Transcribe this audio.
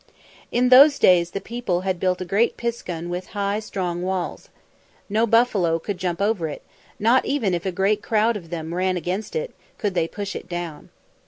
In those days the people had built a great piskun with high, strong walls. No buffalo could jump over it; not even if a great crowd of them ran against it, could they push it down.